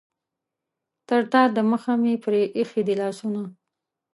تر تا دمخه مې پرې ایښي دي لاسونه.